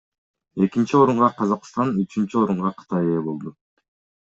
Экинчи орунга Казакстан, үчүнчү орунга Кытай ээ болду.